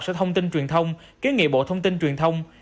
sở thông tin truyền thông kiến nghị bộ thông tin truyền thông